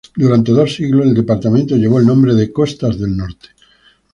Durante dos siglos el departamento llevó el nombre de Costas del Norte.